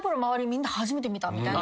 みんな「初めて見た」みたいな。